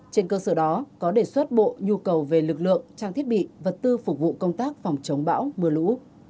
trên cơ sở đó có đề xuất bộ nhu cầu về lực lượng trang thiết bị vật tư phục vụ công tác phòng chống bão mưa lũ